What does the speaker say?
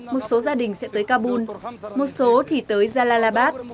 một số gia đình sẽ tới kabul một số thì tới jalalabad